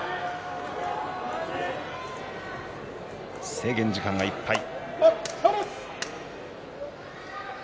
制限時間がいっぱい。